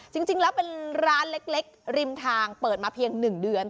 จริงแล้วเป็นร้านเล็กริมทางเปิดมาเพียง๑เดือน